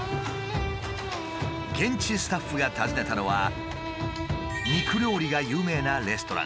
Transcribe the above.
現地スタッフが訪ねたのは肉料理が有名なレストラン。